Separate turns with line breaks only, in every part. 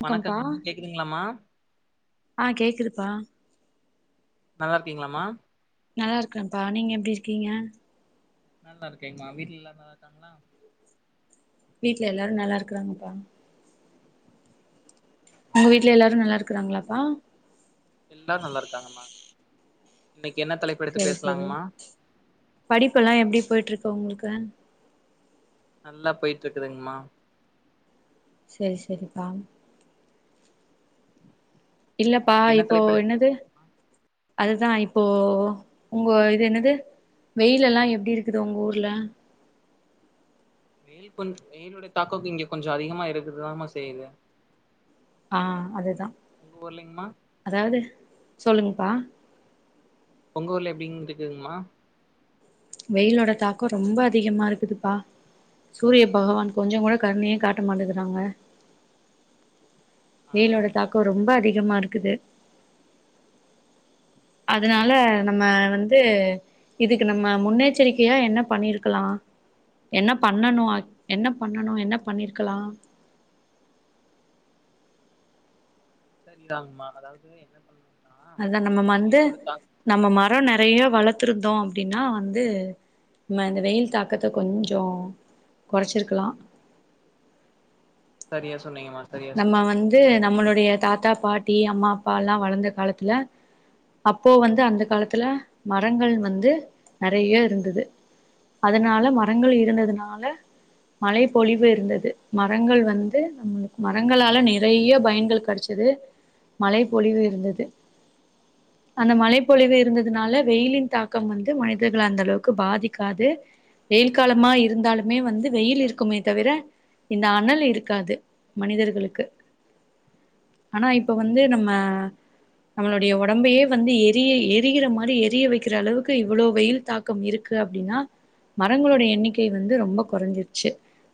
வணக்கம்ப்பா
வணக்கங் கேக்கதுங்ளாமா
ப்பா
நல்லா இருக்கிங்ளாமா
நல்லா இருக்கறம்ப்பா நீங்க எப்டி இருக்கிங்க
நல்லா இருக்கேங்மா வீட்ல எல்லாரு நல்லாருக்காங்ளா
வீட்ல எல்லாரு நல்லாருக்கறாங்கப்பா உங்க வீட்ல எல்லாரு
இன்னைக்கு
நல்லா இருக்கறாங்களாப்பா
இன்னைக்
சரி சரி படிப்பெல்லா எப்டி போய்ட்ருக் து உங்ளுக்கு
நல்லா போயிட்டு இருக்குதுங்மா
சரி சரிப்பா இல்லப்பா
இன்னைக்கு என்ன
இப்போ
தலைப்பு எடுத்து
என்னது
பேசலாங்கம்மா
அதுதா இப்போ உங்க இது என்னது வெயில எல்லா எப்டி இருக்குது உங்க ஊர்ல
வெயில் கொஞ் வெயிலுடைய தாக்கம் இங்க கொஞ்ச அதிகமா இருக்குதுதாமா செய்யுது
ஆ அதுதா
உங்க ஊர்லைங்கம்மா
அதாது சொல்லுங் பா
உங்க ஊர்ல எப்படிங் இருக்குதுங்மா
வெயிலோட தாக்க ரொம்ப அதிகமா இருக்குதுப்பா சூரிய பகவான் கொஞ்ச கூட கருணையே காட்ட மாட்டேங்கறாங்க
ஆ
வெயிலோட தாக்க ரொம்ப அதிகமா இருக்குது அதனால நம்ம வந்து இதுக்கு நம்ம முன்னெச்சரிக்கையா என்ன பண்ணிருக்கலா என்ன பண்ணணு
ம்
என்ன பண்ணணு என்ன பண்ணிருக்கலா
சரிதாங்மா அதாவது என்ன பண்ணணு
அதா நம்ம மந்து நம்ம மர நெறையா வளத் துருந்தோ அப்படினா வந்து நம்ம இந்த வெயில் தாக்கத்த கொஞ்சொ கொறச்சிருக்லா
சரியா சொன்னீங்கம்மா சரியா
நம்ம
சொன்னீங்கம்மா
வந்து நம்மளுடைய தாத்தா பாட்டி அம்மா அப்பா எல்லா வளந்த காலத்துல அப்போ வந்து அந்த காலத்துல மரங்கள் வந்து நறைய இருந்துது அதனால மரங்கள் இருந்ததுனால மழை பொழிவு இருந்தது மரங்கள் வந்து நம்முளுக் மரங்களால நிறைய பயன்கள் கெடைச்சுது மழை பொழிவு இருந்தது அந்த மழை பொழிவு இருந்ததுனால வெயிலின் தாக்கம் வந்து மனிதர்கள அந்த அளவுக்கு பாதிக்காது வெயில் காலமா இருந்தாலுமே வந்து வெயில் இருக்குமே தவிர இந்த அனல் இருக்காது மனிதர்களுக்கு ஆனா இப்ப வந்து நம்ம நம்மளுடைய ஒடம்பையே வந்து எரிய எரிகிற மாதிரி எரிய வெக்கிற அளவுக்கு இவ்ளோ வெயில் தாக்கம் இருக்கு அப்டின்னா மரங்களுடைய எண்ணிக்கை வந்து ரொம்ப கொறஞ்சிருச்சு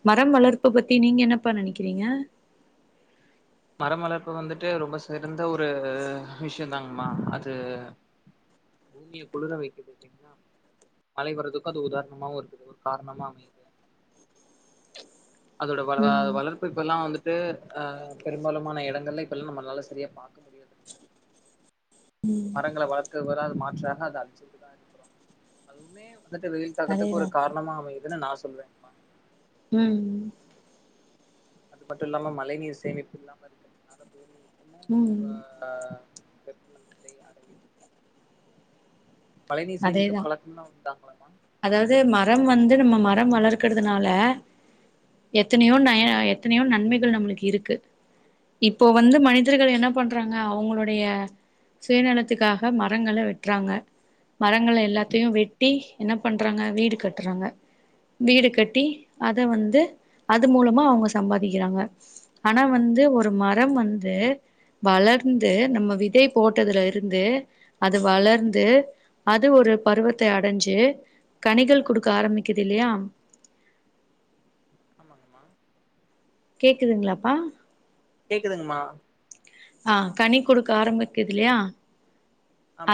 மரம் வளர்ப்பு பத்தி நீங்க என்னப்பா நெனைக்கறிங்க [inaudible]
மரம்வளர்ப்பு வந்துட்டு ரொம்ப சிறந்த ஒரு விஷயந்தாங்மா அது பூமிய குளுர வெக்குது இல்லைங்லா மழை வரதுக்கு அது உதாரணமாவு இருக்குது ஒரு காரணமா அமையுது அதோட வள
ம்
வளர்ப்பு இப்பெல்லா வந்து ட்டு அ பெரும்பாலுமான இடங்கள்ல இப்ப எல்லா நம்மளால சரியா பாக்க முடியறதில்ல மரங்கள வளர்க்க வரா மாற்றாக அத அழிச்சிட்டுதா இருக்குறோ அதுவ்மே வந்துட்டு வெயில் தாக்கத்துக்கு ஒரு
அதேதான்
காரணமா அமையிதுனு நா சொ சொல்றேங்மா
ம் ம்
அது மட்டு இல்லாம மழை நீர் சேமிப்பு இல்லாம இருக்கிறதுனால பூமி
ம்
ப்ப மழை நீர் சேமிக்க
அதேதா
பழக்கம்லா உண்டாங்களாமா
அதாது மரம் வந்து நம்ம மரம் வளர்க்கறதுனால எத்தனையோ நய எத்தனையோ நன்மைகள் நம்மளுக்கு இருக்கு இப்ப வந்து மனிதர்கள் என்ன பண்றாங்க அவங்களுடைய சுயநலத்துக்காக மரங்கள வெட்றாங்க மரங்கள எல்லாத்தையு வெட்டி என்ன பண்றாங்க வீடு கட் றாங்க வீடு கட்டி அத வந்து அது மூலமா அவங்க சம்பாதிக்கிறாங்க ஆனா வந்து ஒரு மரம் வந்து வளர்ந்து நம்ம விதை போட்டதுல இருந்து அது வளர்ந்து அது ஒரு பருவத்தை அடைஞ்சு கனிகள் குடுக்க ஆரம்பிக்குது இல்லையா
ஆமாங்கம்மா
கேக்குதுங்ளாப்பா
கேக்குதுங்மா
ஆ கனி குடுக்க ஆரம்பக்கிதில்லையா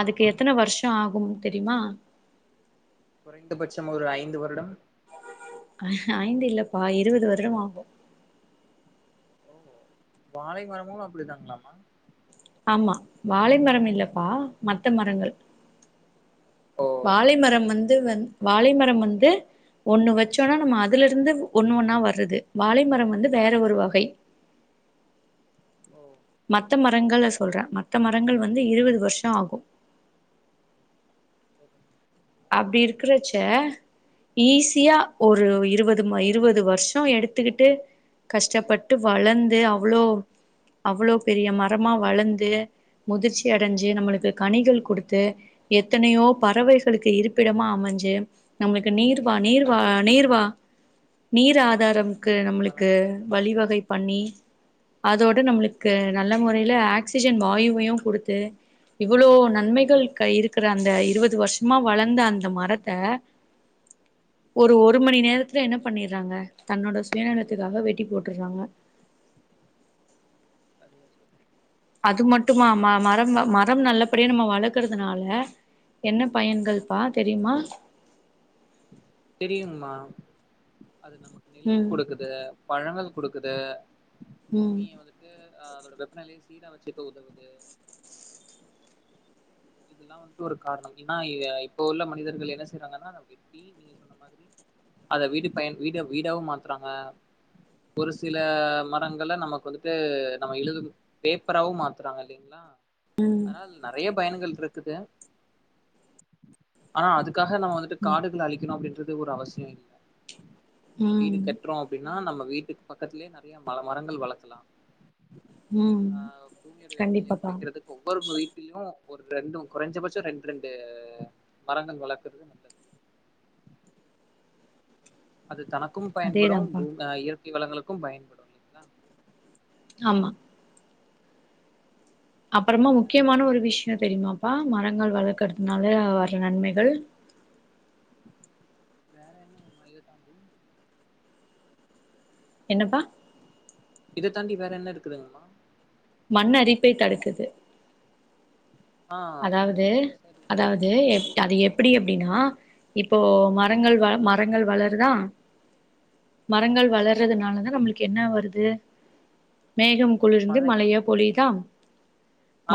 அதுக்கு எத்தனை வருஷ ஆகும் தெரிமா
குறைந்தபட்சம் ஒரு ஐந்து வருடம்
ஐந்து இல்லப்பா இருபது வருடம் ஆகு
ஓ வாழை மரமு அப்டிதாங்ளாமா
ஆமா வாழை மரம் இல்லப்பா மத்த மரங்கள்
ஓ
வாழை மரம்
சரி
வந்து வந் வாழை மரம் வந்து ஒண்ணு வச்சோன்னா நம்ம அதுலேர்ந்து ஒண்ணு ஒன்னா வர்றது வாழை மரம் வந்து வேற ஒரு வகை
ஓ
மத்த மரங்கள சொல்ற மத்த மரங்கள் வந்து இருவது வர்ஷொ ஆகு
[inaudible]
அப்டி இருக்குறச்ச ஈஸியா ஒரு இருவது ம இருவது வர்ஷொ எடுத்துக்கிட்டு கஷ்டப்பட்டு வளந்து அவ்ளோ அவ்ளோ பெரிய மரமா வளந்து முதிர்ச்சி அடஞ்சு நம்மளுக்கு கனிகள் குடுத்து எத்தனையோ பறவை களுக்கு இருப்பிடமா அமஞ்சு நம்ளுக்கு நீர்வா நீர்வா நீர்வா நீர் ஆதாரம் க்கு நம்ளுக்கு
பழங்களா
வழிவகை பண்ணி அதோட
ம்
நம்ளுக்கு நல்ல முறையில ஆக்சிஜன் வாயுவையு குடுத்து இவ்வுளோ நன்மைகள் க இருக்குற அந்த இருவது வர்ஷ் மா வளந்த அந்த மரத்த ஒரு ஒரு மணி நேரத்துல என்ன பண்ணிர்றாங்க தன்னோட சுயநலத்துக்காக வெட்டி போட்டுர்றாங்க
[inaudible]
ரம் நல்லப்படியா நம்ம வளக்குறதுனால என்ன பயன்கள் பா தெரியுமா
தெரியுங்மா அது நமக்கு நிழல்
ம்
குடுக்குது பழங்கள் குடுக்குது
ம்
பூமிய வந்துட்டு ஆ அதோட வெப்ப நிலை சீ சீரா வச்சுக்க உதவுது இதுல்லா வந்துட்டு ஒரு காரணம் ஏன்னா ஈ இப்ப உள்ள மனிதர்கள் என்ன செய்றாங்கன்னா அத வெட்டி நீ அத வீடு பயன் வீட வீடாவும் மாத்துறாங்க ஒரு சில மரங்கள்ல நமக்கு வந்துட்டு நம்ம எழுத பேப்பராவும் மாத்துறாங்க இல்லங்களா அதனால நெறையப் பயன்கள் இருக்குது ஆனா அதுக் க்காக நம்ம வந்துட்டு
ம்
காடுகள அழிக்கணு அப்டின்னு து ஒரு அவசியோ இல்ல வீடு
ம்
கட்டுறோ அப்டின்னா நமக் வீட்டுக்கு பக்கத்துலேயே நெறையா பல மரங்கள் வளக்கலா
ம்
ஆ பூமியோடைய வெப்பநிலையை
கண்டிப்பாப்பா
கொறைக்கிறதுக்கு ஒவ்வொரு வீட்டிலயும் ஒரு ரெண்டும் குறஞ்சபட்சம் ரெண்டு ரெண்டு மரங்கள் வளர்க்குறது நல்லது அது தனக்கும் பயன்படும்
அதேதான்ப்பா
பூ அ இயற் க்கை வளங்களுக்கும் பயன்படும் இல்லைங்ளா
ஆம்மா அப்பறமா
வேற
முக்கியமான ஒரு
என்னங்கமா
விஷயோ தெரியுமா ப்பா மரங்கள் வளக்கற்துனால வர்ற நன்மைகள்
வேற என்ன [unintelligible]
என்னப்பா
இத தாண்டி வேற என்ன இருக்குதுங்கம்மா
மண் அரிப்பை தடுக்குது
ஆ
அதாவது
சரி
அதாவது
ஆ
அது எப்டி எப் அப்டின்னா இப்போ மரங்கள் வ மரங்கள் வளருதா மரங்கள்
ஆமாங்கமா
வளறதுனாலதா நம்மளுக்கு என்ன வருது மேகம் குளிர்ந்து
மழை
மலையா பொழியிதா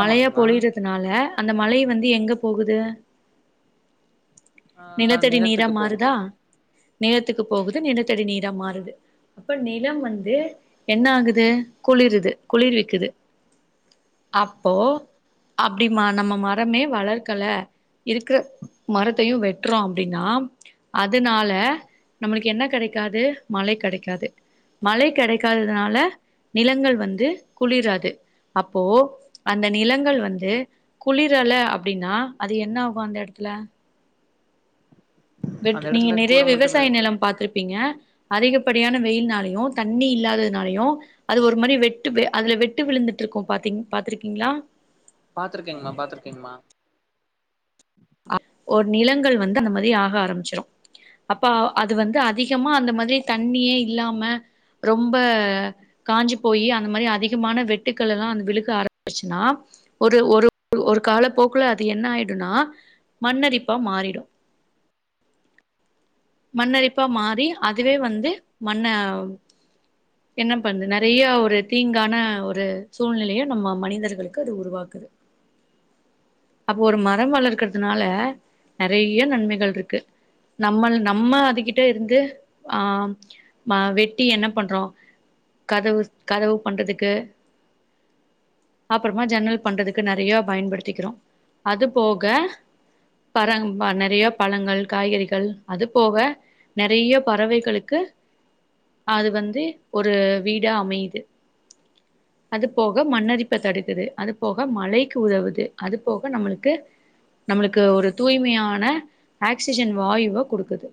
மழையா பொழியிறதுனால அந்த மழை வந்து எங்க போகுது
ஆ
நிலத்தடி நீரா
நிலத்துக்கு போகுது
மாறுதா நிலத்துக்கு போகுது நிலத்தடி நீரா மாறுது அப்போ நிலம் வந்து என்ன ஆகுது குளிருது குளிர்விக்குது அப்போ அப்டிமா நம்ம மரமே வளர்க்கல இருக்குற மரத்தையு வெட்றோ அப்டின்னா ஆம் அதுனால நம்மளுக்கு என்ன கெடைக்காது மழை கெடைக்காது மழை கெடைக்காததுனால நிலங்கள் வந்து குளிராது அப்போ அந்த நிலங்கள் வந்து குளிர அல அப்புடின்னா அது என்ன ஆகு அந்த எடத்துல வெட்
அந்த
நீங்க
எடத்துல
நிறைய
கூட
விவசாய
மட்டு
நிலோ பாத்துருப்பீங்க அதிகப்படியான வெயில்னாலயு தண்ணி இல்லாததுனாலையு அது ஒரு மாரி வெட்டு வெ அதுல வெட்டு விழுந்துட்டு இருக்கோ பாத்தீங் பாத்துருக்கீங்களா
பாத்துருக்கேங்கம்மா பாத்துருக்கேங்கம்மா
அப் ஒரு நிலங்கள் வந்து அந்த மாதிரி ஆக ஆரம்மிச்சுரு அப்ப ஆவோ அது வந்து
ம்
அதிகமா அந்த மாதிரி தண்ணியே இல்லாம ரொம்ப காஞ்சு போயி அந்த மாரி அதிகமான வெட்டுக்க எல்லா அந்த விழுக்க ஆரம்பிச்சுன்னா ஒரு ஒரு ஒரு காலப்போக்குல அது என்ன ஆயிடுன்னா மண்ணரிப்பா மாறிடு மண்ணரிப்பா
சரிங்கம்மா
மாறி அதுவே வந்து மண்ண என்ன பண்ணுது நெறைய ஒரு தீங்கான ஒரு சூழ்நிலையோ நம்ம மனிதர்களுக்கு அது உருவாக்குது அப்ப ஒரு மரம் வளர்க்குற துனால நெறைய நன்மைகள் ருக்கு நம்மள் நம்ம அதுகிட்ட இருந்து ஆ மா வெட்டி என்ன பண்றோ கதவு கதவு பண்றதுக்கு அப்புறமா ஜன்னல் பண்றதுக்கு நெறைய பயன்படுத்திக்கிறோ அது போக பர மா நெறைய பழங்கள் காய்கறிகள் அது போக நெறைய பறவைகளுக்கு அது வந்து ஒரு வீடா அமையுது அது போக மண்ணரிப்ப தடுக்குது அது போக மழைக்கு உதவுது அது போக நம்மளுக்கு நம்மளுக்கு ஒரு தூய்மையான ஆக்சிஜன் வாயுவ கொடுக்குது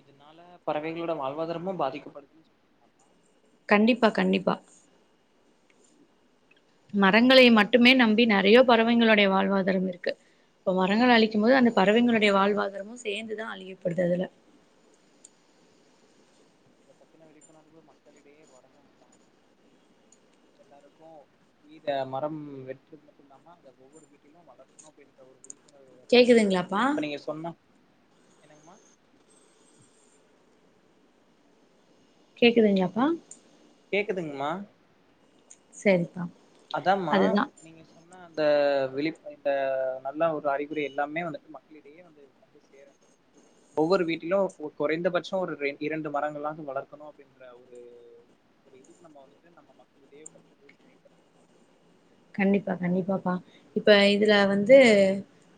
இதுனால பறவைகளோட வாழ்வாதாரமு பாதிக்கப்படுதுன்னு சொல்றீங்க [inaudible]
கண்டிப்பா கண்டிப்பா
சரி
மரங்களை மட்டுமே நம் பி நெறைய பறவைங்களுடைய வாழ்வாதாரம் இருக்கு இப்போ மரங்கள அழிக்கும் போது அந்த பறவைங்களுடைய வாழ்வாதாரமு சேர்ந்துதா அழியப்படுது அதுல
இத பத்தின விழிப்புணர்வு மக்களிடையே வரணுனுதா எல்லாருக்கு ஈட மரம் வெட்டுறது மட்டும் இல்லாம அத ஒவ்வொரு வீட்டிலு வளர்க்கணு அப்டின்ற ஒரு விழி
கேக்குதுங்களாப்பா
என்னங்கமா
கேக்குதுங்காப்பா
கேக்குதுங்கமா
சரிப்பா
அதாமா
அதுதா
நீங்க சொன் ன அந்த விழி இந்த நல்ல ஒரு அறிகுறி எல்லாமே வந்துட்டு மக்களிடையே வந்து வந்து சேறனு ஒவ்வொரு வீட்டிலு குறைந்தபட்சொ ஒரு ரெண் இரண்டு மரங்களாது வளர்க்கணு அப்டின்ற ஒரு ஒரு இதுக்கு நம்ம வந்துட்டு நம்ம மக்களிடையே வந்து சேர்க்குற
கண்டிப்பா கண்டிப்பாப்பா இப்ப இதுல வந்து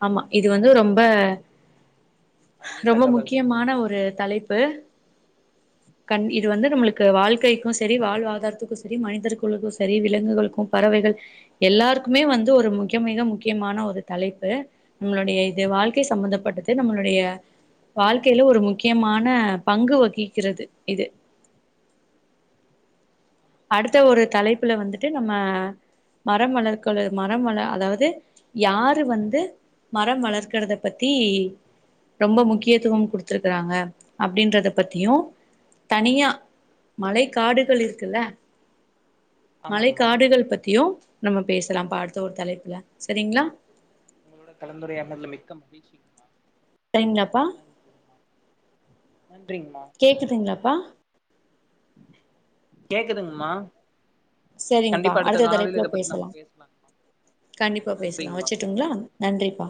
ஆமா இது வந்து ரொம்ப
அரிய
ரொம்ப
தகவல்
முக்கியமான ஒரு தலைப்பு கண் இது வந்து நம்மளுக்கு வாழ்க்கைக்கு செரி வாழ்வாதாரத்துக்கு சேரி மனிதர்குளுகு செரி விலங்குகளுக்கு பறவைகள் எல்லாருக்குமே வந்து ஒரு மிக மிக முக்கியமான ஒரு தலைப்பு நம்ளுடைய இது வாழ்க்கை சம்பந்தப்பட்டது நம்மளுடைய வாழ்க்கையில ஒரு முக்கியமான பங்கு வகிக்கிறது இது
ஆமாங்கம்மா
அடுத்த ஒரு தலைப்புல வந்துட்டு நம்ம மரம் வளர்க்களு மரம் வள அதாவது யாரு வந்து மரம் வளர்க்கறத பத்தி ரொம்ப முக்கியத்துவம் கொடுத்துருக்குறாங்க அப்டின்றத பத்தியு தனியா மழை காடுகள் இருக்குல்ல மழை
ஆமாங்கம்மா.
காடுகள் பத்தியு நம்ம பேசலா பா அடுத்த ஒரு தலைப்புல சரிங்ளா
உங்களோட கலந்துரையாடுனதுல மிக்க மகிழ்ச்சிங்மா
சரிங்களாப்பா
நன்றிங்மா நன்
கேக்குதுங்களாப்பா
கேக்குதுங்ம்மா
சரிங்ப்பா அடுத்த தலைப்புல பேசலா
பேசலாங்கம்மா
கண்டிப்பா பேச்லா
நன்றிங்கம்மா
வெச்சுட்டுங்ளா நன்றிப்பா